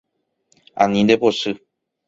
Ani ndepochy.